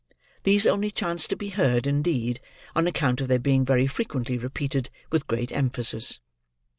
These only chanced to be heard, indeed, or account of their being very frequently repeated with great emphasis.